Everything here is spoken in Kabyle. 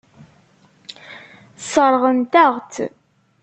Sseṛɣent-aɣ-tt.